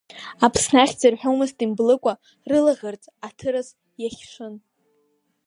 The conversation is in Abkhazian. Аԥсны ахьӡ рҳәомызт имблыкәа, рылаӷырӡ Аҭырас иахьшын.